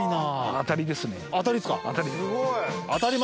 当たり。